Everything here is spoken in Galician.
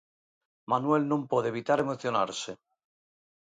Manuel non pode evitar emocionarse.